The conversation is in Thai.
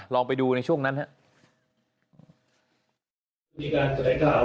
ลองไปดูในช่วงนั้นนะ